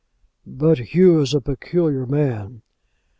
"But Hugh is a peculiar man."